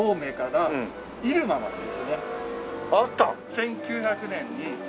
１９００年に。